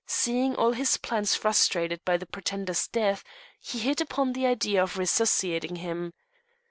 Seeing all his plans frustrated by the pretender's death, he hit upon the idea of resuscitating him.